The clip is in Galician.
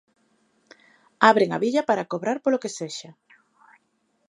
Abren a billa para cobrar polo que sexa.